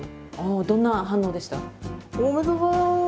どんな反応でした？